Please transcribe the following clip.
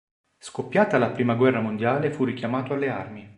Scoppiata la Prima guerra mondiale fu richiamato alle armi.